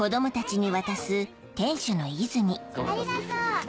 ありがとう。